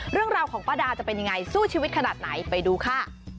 เรื่องราวของป้าดาจะเป็นยังไงสู้ชีวิตขนาดไหนไปดูค่ะ